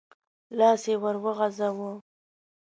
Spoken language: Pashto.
لاس يې ور وغځاوه.